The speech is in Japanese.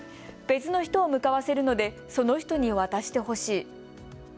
別の人を向かわせるのでその人に渡してほしい。